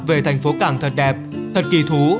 về thành phố cảng thật đẹp thật kỳ thú